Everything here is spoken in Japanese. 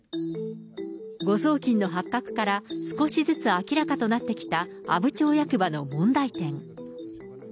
誤送金の発覚から、少しずつ明らかとなってきた阿武町役場の問題点。